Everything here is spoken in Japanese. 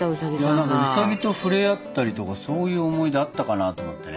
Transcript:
いや何かウサギと触れ合ったりとかそういう思い出あったかなと思ってね。